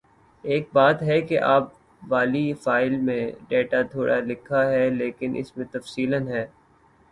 ایک بات ہے کہ آپ والی فائل میں ڈیٹا تھوڑا لکھا ہے لیکن اس میں تفصیلاً ہے